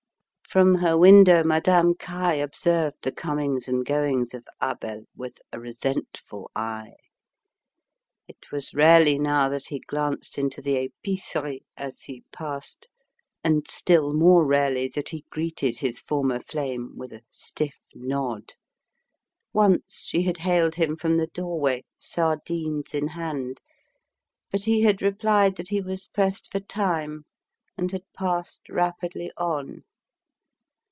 From her window Madame Caille observed the comings and goings of Abel with a resentful eye. It was rarely now that he glanced into the épicerie as he passed, and still more rarely that he greeted his former flame with a stiff nod. Once she had hailed him from the doorway, sardines in hand, but he had replied that he was pressed for time, and had passed rapidly on.